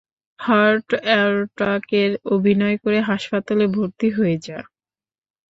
Heart অ্যাটাকের অভিনয় করে হাসপাতালে ভর্তি হয়ে যা।